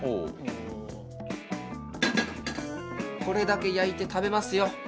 これだけ焼いて食べますよ。